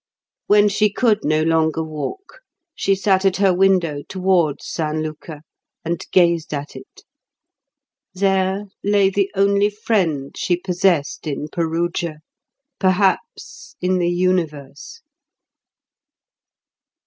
When she could no longer walk, she sat at her window towards San Luca and gazed at it. There lay the only friend she possessed in Perugia, perhaps in the universe.